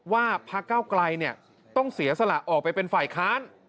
ว่าพักเก้าไกลต้องเสียสละออกไปเป็นฝ่ายค้าน